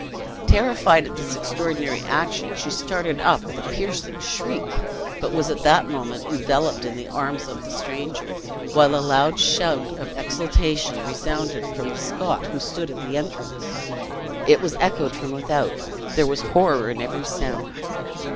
Terrified at this extraordinary action, she started up with a piercing shriek, but was at that moment enveloped in the arms of the stranger, while a loud shout of exhultation resounded from the Scot who stood at the entrance. It was echoed from without. There was horror in every sound.